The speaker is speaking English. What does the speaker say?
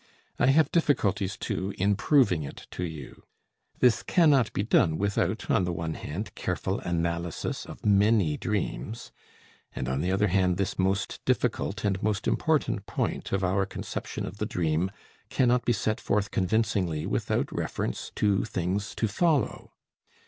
I have difficulties, too, in proving it to you. This cannot be done without, on the one hand, careful analysis of many dreams, and on the other hand this most difficult and most important point of our conception of the dream cannot be set forth convincingly without reference to things to follow.